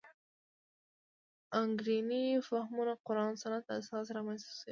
انګېرنې فهمونه قران سنت اساس رامنځته شوې.